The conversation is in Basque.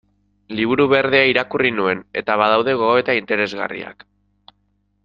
Liburu Berdea irakurri nuen, eta badaude gogoeta interesgarriak.